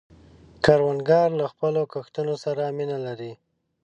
کروندګر له خپلو کښتونو سره مینه لري